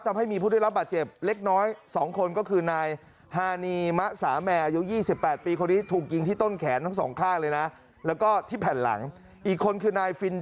ทำให้มีผู้ได้รับบาดเจ็บเล็กน้อยสองคนก็คือ